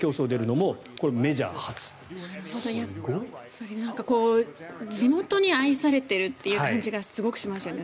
やっぱり地元に愛されているという感じがすごくしましたよね。